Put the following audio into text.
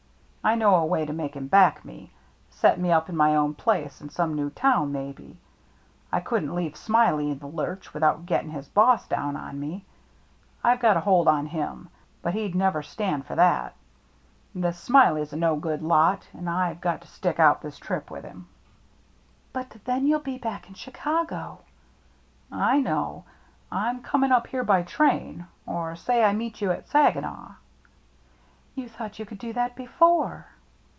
I know a way to make him back me — set me up in my own place in some new town maybe. I couldn't leave Smiley in the lurch without getting his boss down on me. I've got a hold on him, but he'd never stand for that. This Smiley's a no good lot, but I've got to stick out this trip with him.'* " But — then you*ll be back in Chicago. " I know. Pm coming up here by train. Or say I meet you at Saginaw. " You thought you could do that before.